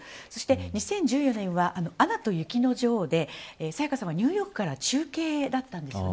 ２０１４年は、アナと雪の女王で沙也加さんがニューヨークから中継だったんです。